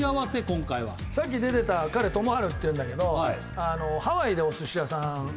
今回はさっき出てた彼智晴っていうんだけどハワイでお寿司屋さん